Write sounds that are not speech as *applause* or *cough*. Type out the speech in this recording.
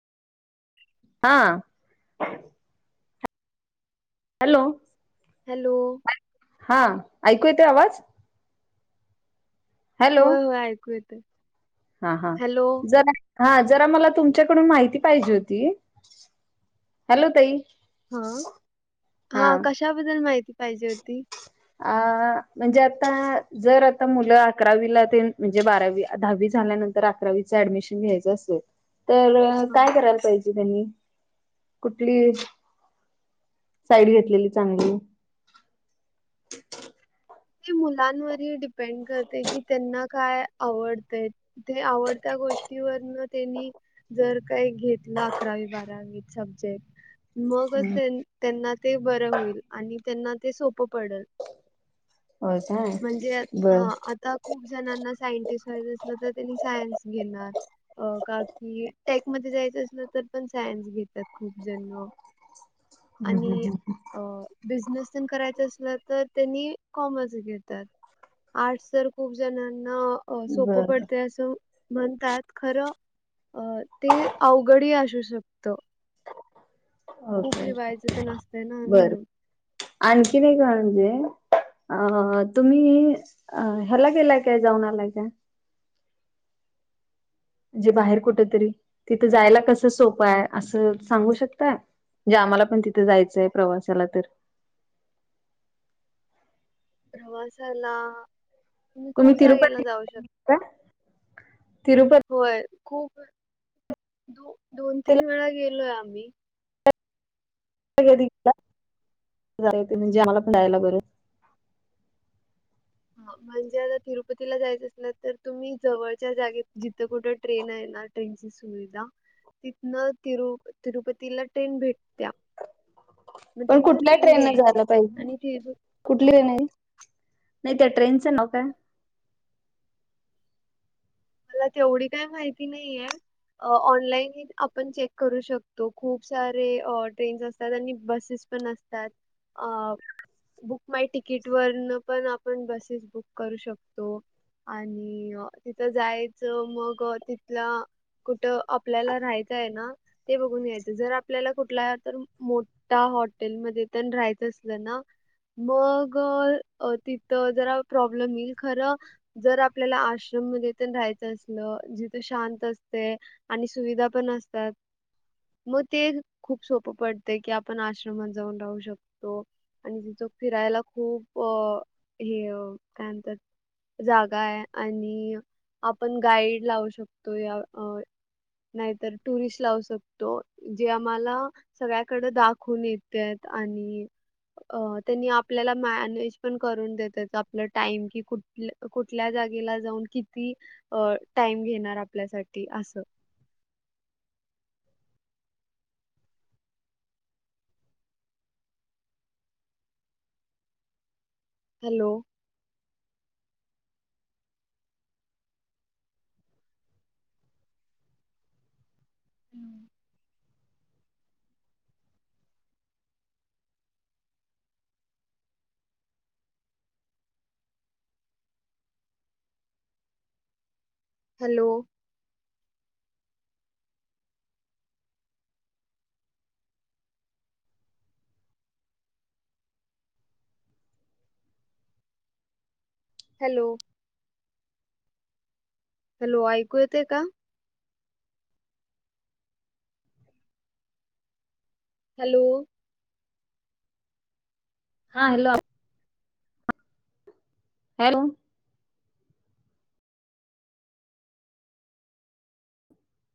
हां... hello. Hello. हा, ऐकू येतोय आवाज? हॅलो होय, होय ऐकू येतोय. हा, हा, जरा हा जरा मला तुमच्याकडून माहिती पाहिजे होती. हॅलो ताई हा कशाबदल माहित पाहिजे होती? अ म्हणजे आता जर आता मुलं अकरावीला ते म्हणजे बारावी दहावी झाल्यानं तर अकरावीच ऍडमिशन घ्यायचं असेल तर हां काय करायला पाहिजे? त्यांनी कुठली साईड घेतलेली चांगली? *unintelligible* ती मुलांवरही डिपेंड करते की, त्यांना काय आवडतय? ते आवडत्या गोष्टीवरन त्यांनी- जर काही घेतलं अकरावी, बारावीत सब्जेक्ट मगच त्यां त्यांना ते बरं होईल आणि त्यांना ते सोप पडल. हो ज- म्हणजे हा आता खूप जणांना सायंटिस्ट व्हायच असलं तर त्यांनी सायन्स घेणार अ काकी टेकमध्ये जायचं असलं तर पण सायन्स घेतात खूप जण अ - *inaudible* आणि अ बिझनेस पण करायच असलं तर त्यांनी कॉमर्स घेतात, आर्ट्स तर खूप जणांना अअ सोपं बर पडते अस. म्हणतात खरं अ ते अवघडही असू शक खूप ओके लिवायचं तर नसत ना म्हणून, अणखी एक आहे म्हणजे. अ तुम्ही अ ह्याला गेलाय काय जाऊन आलाय का? जे बाहेर कुठेतरी तिथं जायला कस सोप आहे असं सांगू शकताय? जे आम्हाला पण तिथे जायचय हे प्रवासाला तर प्रवासाला तुम्ही खूप जागेला जाऊ शकता‌‌‌ तिरुपतीला होय खूप दो दोन, तीन वेळा गेलोय आम्ही. कधी, कधी गेलात म्हणजे आम्हाला पण जायला बर. हा म्हणजे आता तिरुपतीला जायचं असल तर तुम्ही जवळच्या जागेत जिथं कुठं ट्रेन आहे ना ट्रेनची सुविधा तिथनं तिरु तिरुपतीला ट्रेन भेटत्या मग पण तिथन कुठल्या ट्रेन न घ्यायची जायला पाहिजे आणि तिरु कुठली ट्रेन आहे नाही त्या ट्रेनच नाव काय? मला तेवढी काय माहिती नाही ए ऑनलाईन हे आपण चेक करू शकतो. खूप सारे ट्रेन्ज असतात आणि बसेस पण असतात आ प बुक माय तिकीट वरन पण, आपण बसेस बुक करू शकतो. आणि अ तिथं जायचं, मग अ तिथला कुठं आपल्याला राहायचंय ना, ते बघून घ्यायचं, जर आपल्याला कुठला तर मो त्या हॉटेलमध्ये तेन राहायचं असलं ना मग अ तिथं जरा प्रॉब्लेम येईल खरं अ जर आपल्याला आश्रममध्ये तेन राहायचं, असल जिथे शांत असतय आणि सुविधा पण असतात. मग ते खूप सोपं पडतंय की, आपण आश्रमात जाऊन राहू शकतो. आणि तिथं फिरायला, खूप अ हे काय म्हणतात. जागा हाय आणि आपण गाईड लावू शकतोय या नाहीतर टुरिस्ट लावू शकतो, जे आम्हाला सगळ्याकडें दाखवून येताएत आणि अ त्यांनी आपल्याला मॅनेज पण करून देतात. आपलं टाईम कि कु ठ कुठल्या जागेला, जाऊन किती अ टाईम घेणार? आपल्यासाठी आसं हॅलो. हम्म. हॅलो. हॅलो. हॅलो, ऐकू येतय का? हॅलो. हा हॅलो आ हॅलो.